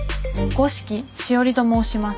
五色しおりと申します。